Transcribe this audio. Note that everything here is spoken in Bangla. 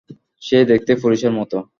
সে দেখতে পুলিশের মতো।